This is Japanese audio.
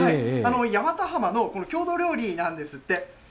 八幡浜の郷土料理なんですって。